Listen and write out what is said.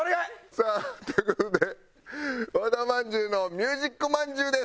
さあという事で和田まんじゅうのミュージックまんじゅうです！